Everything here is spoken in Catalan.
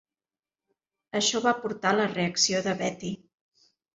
Això va portar a la reacció de Betti.